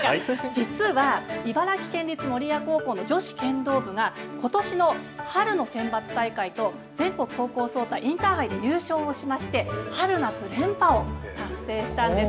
実は茨城県立守谷高校の女子剣道部がことしの春の選抜大会と全国高校総体インターハイで優勝をしまして春夏連覇を達成したんです。